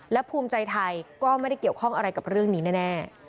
และภูมิใจไทยก็ไม่ได้เกี่ยวข้องอะไรกับเรื่องนี้แน่